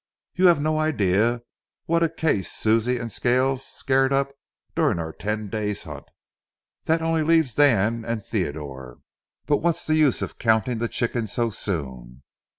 You have no idea what a case Susie and Scales scared up during our ten days' hunt. That only leaves Dan and Theodore. But what's the use of counting the chickens so soon?